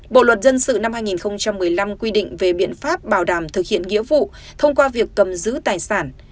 bộ luật dân sự năm hai nghìn một mươi năm quy định về biện pháp bảo đảm thực hiện nghĩa vụ thông qua việc cầm giữ tài sản